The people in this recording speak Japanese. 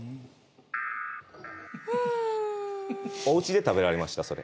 おうちで食べられました？